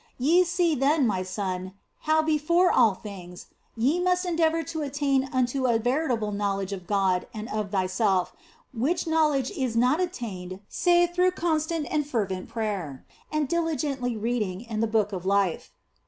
Ye see then, my son, how before all things ye must endeavour to attain unto a veritable knowledge of God and of thyself, which knowledge is not attained save through constant and fervent prayer and diligently read ing in the Book of Life.